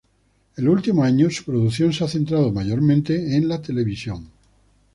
En los últimos años su producción se ha centrado mayormente en la televisión.